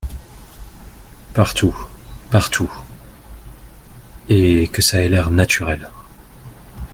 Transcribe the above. Partout… partout… et que ça ait l’air naturel.